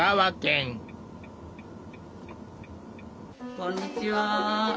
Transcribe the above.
こんにちは。